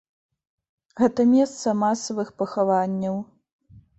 Гэта месца масавых пахаванняў.